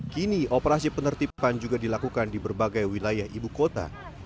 kini operasi penertipan juga dilakukan di berbagai wilayah ibu kota